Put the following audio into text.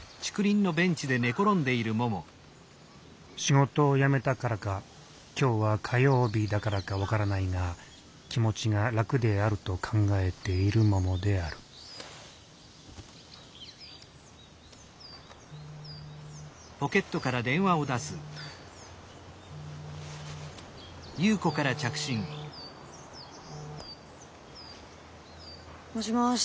仕事を辞めたからか今日は火曜日だからか分からないが気持ちが楽であると考えているももであるもしもし。